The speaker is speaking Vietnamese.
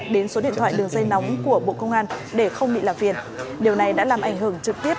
đến số điện thoại đường dây nóng của bộ công an để không bị làm việc điều này đã làm ảnh hưởng trực tiếp